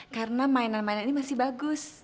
karena mainan mainan ini masih bagus